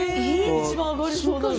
一番上がりそうなのに。